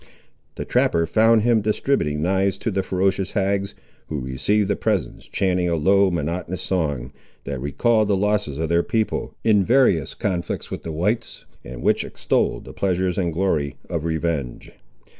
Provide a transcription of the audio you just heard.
The trapper found him distributing knives to the ferocious hags, who received the presents chanting a low monotonous song, that recalled the losses of their people, in various conflicts with the whites, and which extolled the pleasures and glory of revenge.